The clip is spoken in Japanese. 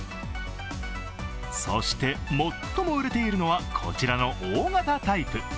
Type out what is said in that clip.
そして、最も売れているのはこちらの大型タイプ。